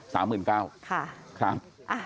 สามหมื่นเก้าค่ะค่ะ